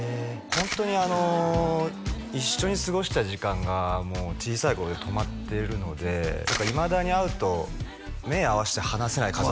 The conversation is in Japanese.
ホントに一緒に過ごした時間が小さい頃で止まってるのでいまだに会うと目合わせて話せない家族